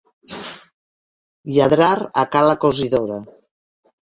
Lladrar a ca la cosidora.